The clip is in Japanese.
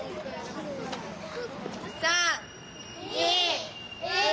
３２１。